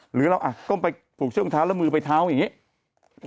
หรือเราก้มไปผูกช่วงเท้าแล้วมือไปเท้าอย่างนี้